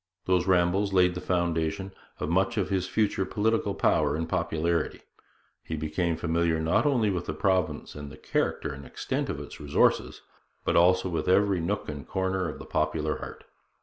Those rambles laid the foundation of much of his future political power and popularity. He became familiar not only with the province and the character and extent of its resources, but also with every nook and corner of the popular heart.